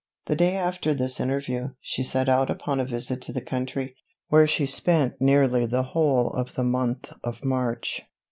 The day after this interview, she set out upon a visit to the country, where she spent nearly the whole of the month of March.